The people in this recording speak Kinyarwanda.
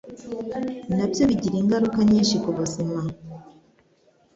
nabyo bigira ingaruka nyinshi ku buzima